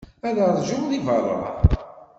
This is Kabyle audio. Ad ṛjuɣ deg beṛṛa.